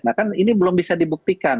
nah kan ini belum bisa dibuktikan